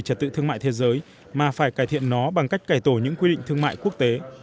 trật tự thương mại thế giới mà phải cải thiện nó bằng cách cải tổ những quy định thương mại quốc tế